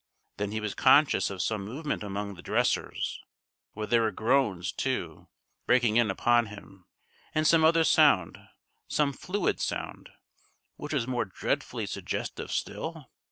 Then he was conscious of some movement among the dressers. Were there groans, too, breaking in upon him, and some other sound, some fluid sound, which was more dreadfully suggestive still?